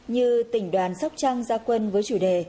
như tỉnh đoàn sóc trăng gia quân với chủ đề